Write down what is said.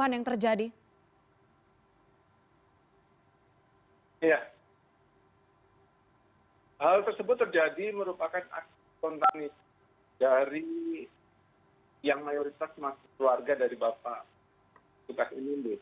hal tersebut terjadi merupakan aksi spontanis dari yang mayoritas keluarga dari bapak jokowi